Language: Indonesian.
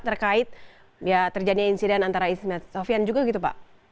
terkait ya terjadinya insiden antara ismed sofian juga gitu pak